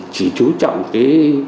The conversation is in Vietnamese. chỉ chú trọng cái